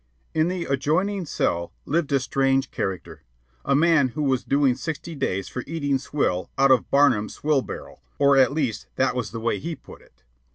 In the adjoining cell lived a strange character a man who was doing sixty days for eating swill out of Barnum's swill barrel, or at least that was the way he put it.